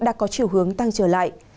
đã có chiều hướng tăng trở lại